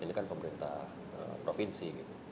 ini kan pemerintah provinsi